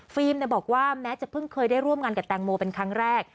บอกว่าแม้จะเพิ่งเคยได้ร่วมงานกับแตงโมเป็นครั้งแรก